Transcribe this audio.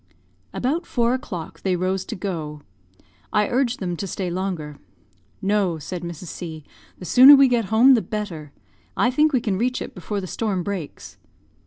About four o'clock they rose to go. I urged them to stay longer. "No," said Mrs. C , "the sooner we get home the better. I think we can reach it before the storm breaks."